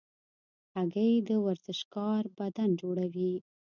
هګۍ د ورزشکار بدن جوړوي.